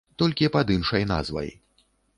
Толькі пад іншай назвай.